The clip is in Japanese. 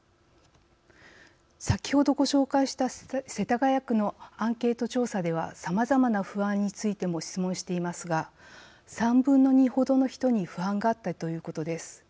先ほどご紹介した世田谷区のアンケート調査ではさまざまな不安についても質問していますが３分の２ほどの人に不安があったということです。